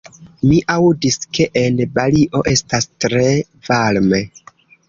Mi aŭdis, ke en Balio estas tre varme.